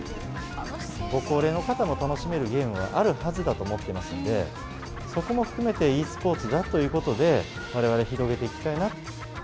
ご高齢の方も楽しめるゲームがあるはずだと思ってますので、そこも含めてｅスポーツだということで、われわれ、広げていきたいなと。